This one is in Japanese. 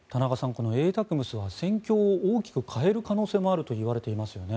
このＡＴＡＣＭＳは戦況を大きく変える可能性もあるといわれていますよね。